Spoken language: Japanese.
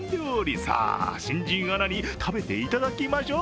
さぁ、新人アナに食べていただきましょう。